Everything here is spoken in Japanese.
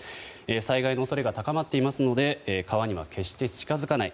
災害の恐れが高まっていますので川には決して近づかない。